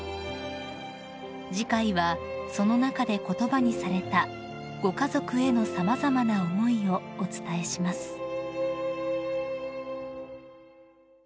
［次回はその中で言葉にされたご家族への様々な思いをお伝えします］